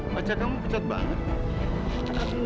baca kamu kecot banget